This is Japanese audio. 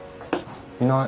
いない。